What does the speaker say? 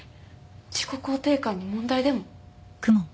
自己肯定感に問題でも？